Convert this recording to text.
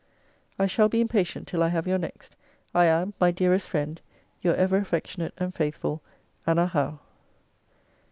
I shall be impatient till I have your next. I am, my dearest friend, Your ever affectionate and faithful ANNA HOWE.